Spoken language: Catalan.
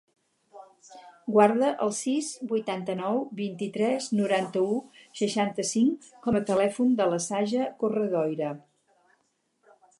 Guarda el sis, vuitanta-nou, vint-i-tres, noranta-u, seixanta-cinc com a telèfon de la Saja Corredoira.